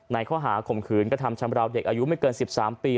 ข้อหาข่มขืนกระทำชำราวเด็กอายุไม่เกิน๑๓ปี